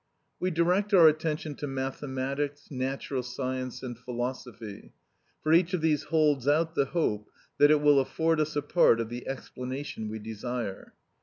We direct our attention to mathematics, natural science, and philosophy, for each of these holds out the hope that it will afford us a part of the explanation we desire.